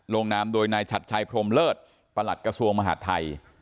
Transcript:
นามโดยนายชัดชัยพรมเลิศประหลัดกระทรวงมหาดไทย